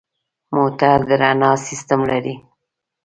موټر د رڼا سیستم لري.